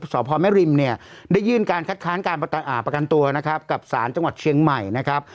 ท้านการประกันตัวนะครับกับศาลจังหวัดเชียงใหม่นะครับ